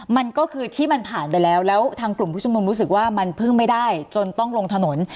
มันก็คือที่มันผ่านไปแล้วแล้วทางกลุ่มผู้ชมนุมรู้สึกว่ามันพึ่งไม่ได้จนต้องลงถนน